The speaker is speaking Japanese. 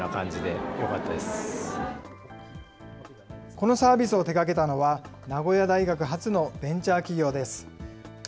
このサービスを手がけたのは、名古屋大学発のベンチャー企業です。